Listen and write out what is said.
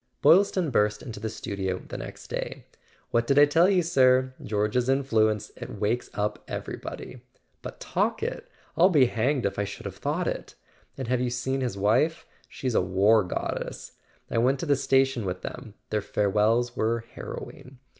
Boylston burst into the studio the next day. "What did I tell you, sir? George's influence—it wakes up everybody. But Talkett—I'll be hanged if I should have thought it! And have you seen his wife ? She's a war goddess! I went to the station with them: their farewells were harrowing.